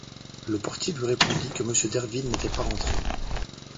Le portier lui répondit que monsieur Derville n’était pas rentré.